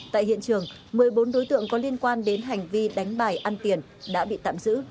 tại hiện trường một mươi bốn đối tượng có liên quan đến hành vi đánh bài ăn tiền đã bị tạm giữ